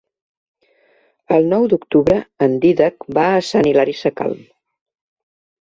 El nou d'octubre en Dídac va a Sant Hilari Sacalm.